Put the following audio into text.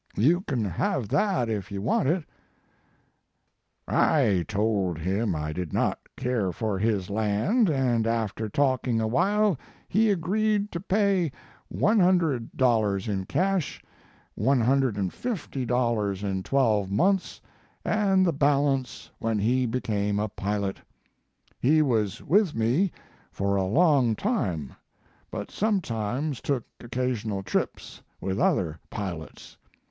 You can have that if you want it. "I toll him I did not care for his land, and after talking awhile he agreed to pay $100 in cash, $150 in twelve months and the balance when he became a pilot. He was with me for a long time, but sometimes took occasional trips with other pilots.